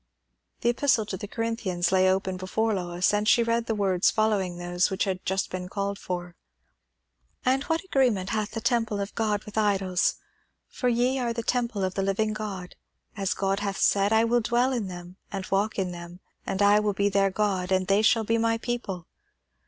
The epistle to the Corinthians lay open before Lois, and she read the words following those which had just been called for. "'And what agreement hath the temple of God with idols? for ye are the temple of the living God; as God hath said, I will dwell in them, and walk in them; and I will be their God, and they shall be my people.